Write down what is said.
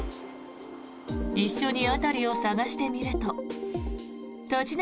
一緒に辺りを探してみると立ち寝